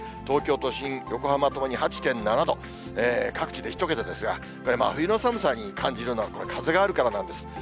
東京都心、横浜ともに８．７度、各地で１桁ですが、これ、真冬の寒さに感じるのは風があるからなんです。